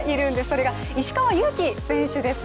それが石川祐希選手です。